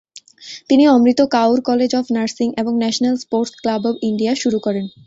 তিনি "Amrit Kaur college of nursing" এবং "national sports club of India" শুরু করেন।